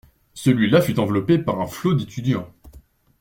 Celui-là fut enveloppé par un flot d'étudiants.